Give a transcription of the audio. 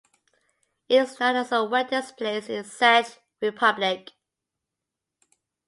It is known as the wettest place in the Czech Republic.